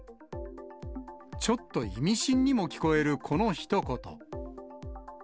ちょっと意味深にも聞こえるこのひと言。